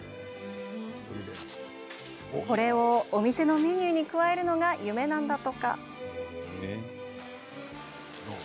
これを、お店のメニューに加えるのが夢なんだとか。